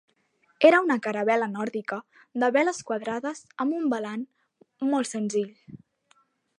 Era una caravel·la nòrdica de veles quadrades amb un velam molt senzill.